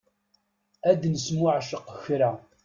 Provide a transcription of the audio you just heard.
Ad nesmuɛceq kra.